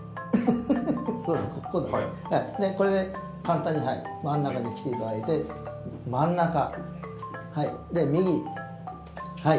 これで簡単に真ん中に来て頂いて真ん中はいで右はいで左。